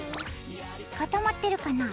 固まってるかな？